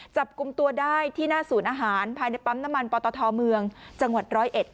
จับกลุ่มตัวได้ที่หน้าศูนย์อาหารภายในปั๊มน้ำมันปตทเมืองจังหวัดร้อยเอ็ด